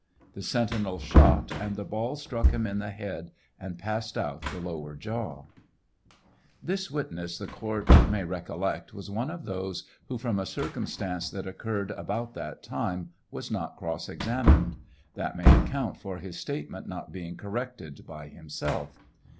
The sentinel shot, and the ball struck him in the head and passed out the lower jaw. TRIAL OF HENRY WIRZ. 711 This witness, the court may recollect, was one of those who, from a circum stance that occurred about that time, was not cross examined. That inay account for his statement not being corrected by himself.